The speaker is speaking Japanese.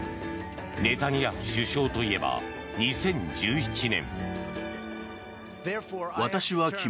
ネタニヤフ首相といえば２０１７年。